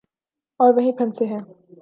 اور وہیں پھنسے ہیں۔